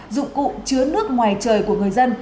dụng cụ chứa nước ngoài trời của người dân